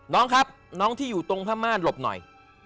น้องครับน้องที่อยู่ตรงผ้าม่านหลบหน่อย